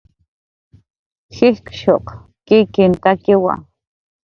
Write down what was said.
jikshuq kikinhtakiwa